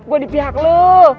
gua di pihak lu